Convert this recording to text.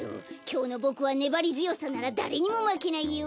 きょうのボクはねばりづよさならだれにもまけないよ。